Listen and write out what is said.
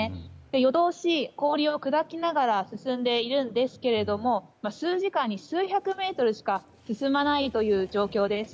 夜通し氷を砕きながら進んでいるんですが数時間に数百メートルしか進まない状況です。